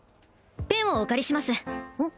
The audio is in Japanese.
ペンをお借りしますうん？